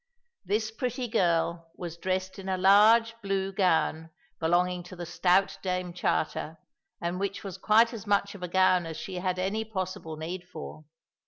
This pretty girl was dressed in a large blue gown, belonging to the stout Dame Charter, and which was quite as much of a gown as she had any possible need for.